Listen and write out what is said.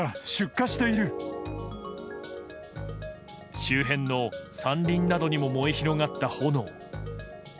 周辺の山林などにも燃え広がった炎。